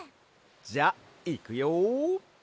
じゃあいくよ！